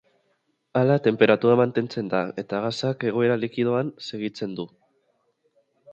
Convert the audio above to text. Hala, tenperatura mantentzen da eta gasak egoera likidoan segitzen du.